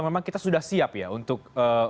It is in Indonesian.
memang kita sudah siap ya untuk